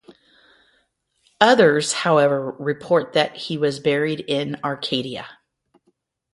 Others, however, report that he was buried in Arcadia.